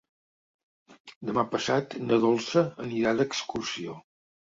Demà passat na Dolça anirà d'excursió.